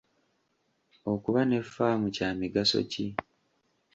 Okuba ne ffaamu kya migaso ki?